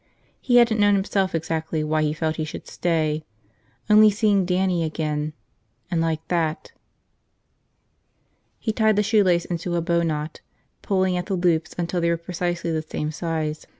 He hadn't known himself exactly why he felt he should stay. Only seeing Dannie again ... and like that. .... He tied the shoelace into a bowknot, pulling at the loops until they were precisely the same size.